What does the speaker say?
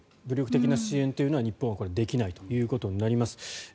武力的な支援というのは日本はできないということになります。